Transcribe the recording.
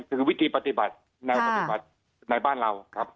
คือวิธีปฏิบัติแนวปฏิบัติในบ้านเราครับ